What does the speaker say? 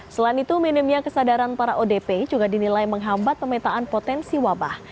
selain itu minimnya kesadaran para odp juga dinilai menghambat pemetaan potensi wabah